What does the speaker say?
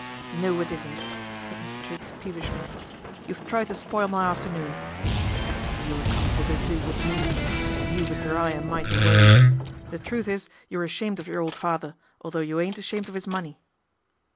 " No it isn't," said Mr. Triggs peevishly. 1 You've tried to spoil my afternoon. Fancy you a coming to the Zoo with me. You with your 'igh and mighty ways. The truth is you're ashamed of your old father, although you ain't ashamed of 'is money."